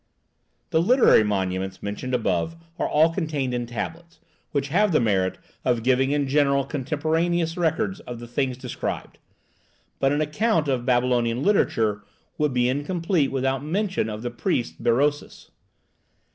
The literary monuments mentioned above are all contained in tablets, which have the merit of giving in general contemporaneous records of the things described. But an account of Babylonian literature would be incomplete without mention of the priest Berosus.